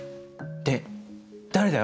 で誰だよ？